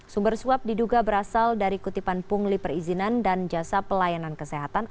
sumber suap diduga berasal dari kutipan pungli perizinan dan jasa pelayanan kesehatan